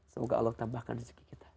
semoga allah tambahkan rezeki kita